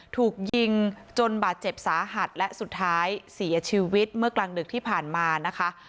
ถูกยิงจนบาดเจ็บสาหัสและสุดท้ายเสียชีวิตเมื่อกลางดึกที่ผ่านมานะคะ